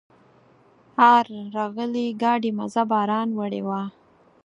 آر راغلي ګاډي مزه باران وړې وه.